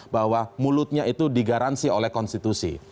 bahwa mulutnya itu digaransi oleh konstitusi